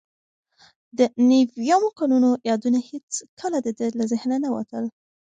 د نویمو کلونو یادونه هیڅکله د ده له ذهنه نه وتل.